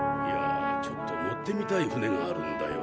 ちょっと乗ってみたい船があるんだよ